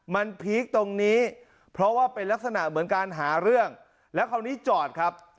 มันพีคตรงนี้เพราะว่าเป็นลักษณะเหมือนการหาเรื่องแล้วคราวนี้จอดครับ